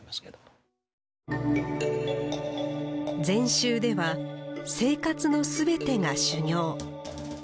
禅宗では生活の全てが修行。